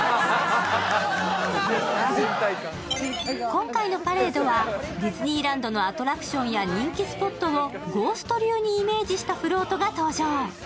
今回のパレードはディズニーランドのアトラクションや人気スポットをゴースト流にイメージしたフロートが登場。